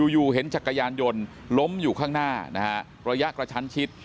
อยู่เห็นจักรยานยนต์ล้มอยู่ข้างหน้านะฮะระยะกระชั้นชิด